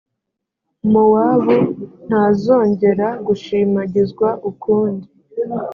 mowabu ntazongera gushimagizwa ukundi